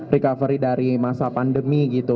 recovery dari masa pandemi gitu